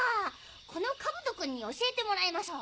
このカブトくんに教えてもらいましょう。